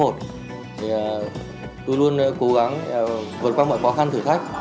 thì tôi luôn cố gắng vượt qua mọi khó khăn thử thách